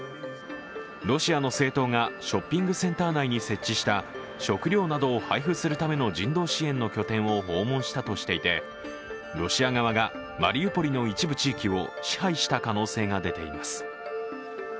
ロシアの政党がショッピングセンター内に設置した食料などを配布するための人道支援のための拠点を訪問したとしていてロシア側がマリウポリの一部地域を支配した可能性が出ています。